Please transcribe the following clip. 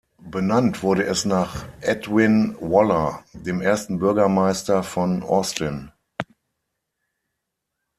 Benannt wurde es nach Edwin Waller, dem ersten Bürgermeister von Austin.